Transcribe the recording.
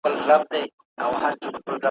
هر سړی یې تر نظر پک او پمن وي `